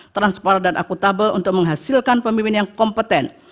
transparan dan akutabel untuk menghasilkan pemimpin yang kompeten